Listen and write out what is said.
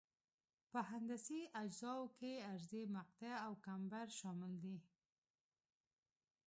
په هندسي اجزاوو کې عرضي مقطع او کمبر شامل دي